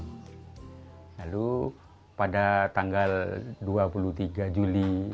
kemudian menjadi penganut kristen pertama di desa ini